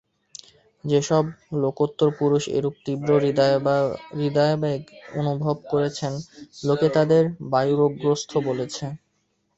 যে-সব লোকোত্তর পুরুষ এরূপ তীব্র হৃদয়াবেগ অনুভব করেছেন, লোকে তাঁদের বায়ুরোগগ্রস্ত বলেছে।